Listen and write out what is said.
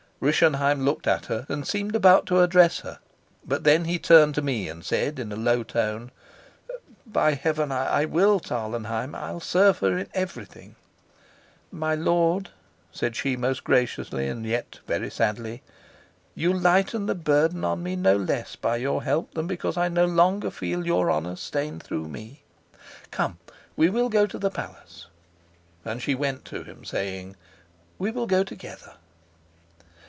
Rischenheim looked at her and seemed about to address her, but then he turned to me, and said in a low tone: "By Heaven, I will, Tarlenheim. I'll serve her in everything " "My lord," said she most graciously, and yet very sadly, "you lighten the burden on me no less by your help than because I no longer feel your honor stained through me. Come, we will go to the palace." And she went to him, saying, "We will go together."